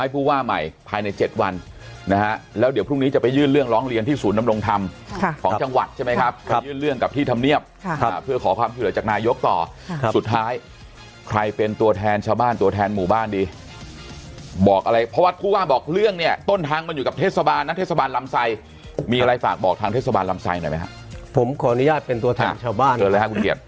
ภายในเจ็ดวันนะฮะแล้วเดี๋ยวพรุ่งนี้จะไปยื่นเรื่องร้องเรียนที่ศูนนำลงธรรมค่ะของจังหวัดใช่ไหมครับครับไปยื่นเรื่องกับที่ธรรมเนียบค่ะครับเพื่อขอความผิดเหลือจากนายยกต่อครับสุดท้ายใครเป็นตัวแทนชาวบ้านตัวแทนหมู่บ้านดีบอกอะไรพระวัตรผู้ว่าบอกเรื่องเนี้ยต้นทางมันอยู่กับเทศบาลนะเท